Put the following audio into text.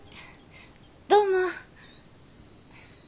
どうも。